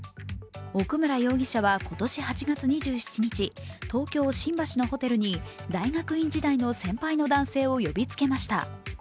奥村容疑者は今年８月２７日、東京・新橋のホテルに大学院時代の先輩の男性を呼びつけました。